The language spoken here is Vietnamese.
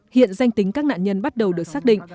hiện danh tính các nạn nhân bắt đầu được xác định